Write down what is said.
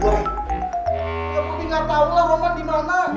ya tapi ga tau lah roman di mana